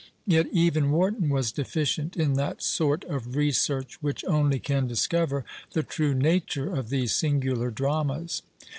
Yet even Warton was deficient in that sort of research which only can discover the true nature of these singular dramas.